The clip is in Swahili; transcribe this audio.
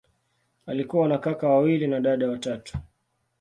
Alikuwa na kaka wawili na dada watatu.